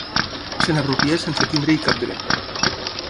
Se n'apropia sense tenir-hi cap dret.